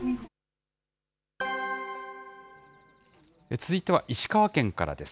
続いては石川県からです。